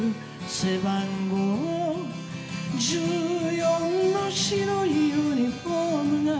「背番号１４の白いユニフォームが」